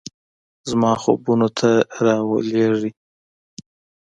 زما خوبونو ته راولیږئ